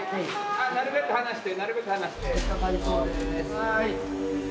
なるべく離してなるべく離して。